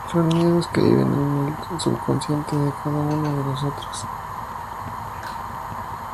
Son miedos que viven en el subconsciente de cada uno de nosotros.